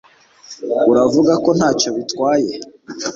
Uravuga ko ntacyo bitwaye